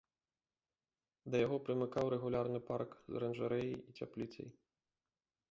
Да яго прымыкаў рэгулярны парк з аранжарэяй і цяпліцай.